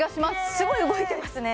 すごい動いてますね